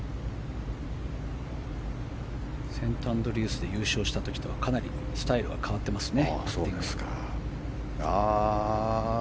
セント・アンドリュースで優勝した時とはかなりスタイルは変わってますね。